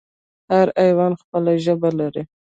هر حیوان خپله ژبه لري